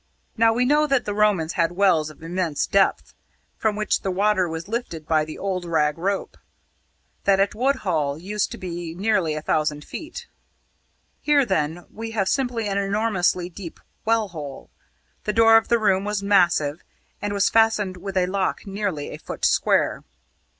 Now, we know that the Romans had wells of immense depth, from which the water was lifted by the 'old rag rope'; that at Woodhull used to be nearly a thousand feet. Here, then, we have simply an enormously deep well hole. The door of the room was massive, and was fastened with a lock nearly a foot square.